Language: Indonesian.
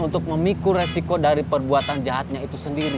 untuk memikul resiko dari perbuatan jahatnya itu sendiri